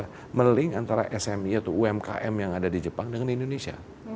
kita melink antara smi atau umkm yang ada di jepang dengan indonesia